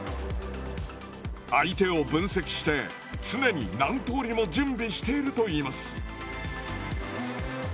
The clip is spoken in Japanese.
相手を分析して常に何通りも準備しているといいます。